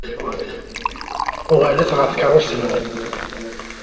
Uɣalet ɣer tkeṛṛust-nwen!